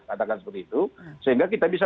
katakan seperti itu sehingga kita bisa